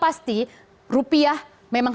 pasti rupiah memang